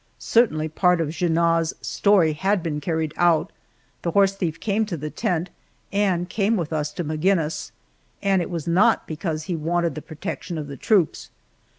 Certainly part of Junot's story had been carried out the horse thief came to the tent and came with us to Maginnis, and it was not because he wanted the protection of the troops.